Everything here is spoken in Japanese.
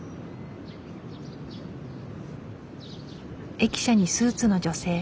駅舎にスーツの女性。